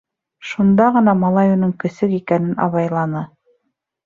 Шунда ғына малай уның көсөк икәнен абайланы.